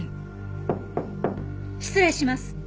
失礼します。